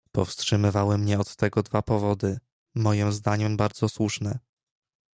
"Powstrzymywały mnie od tego dwa powody, mojem zdaniem bardzo słuszne."